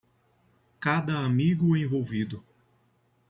Cada amigo envolvido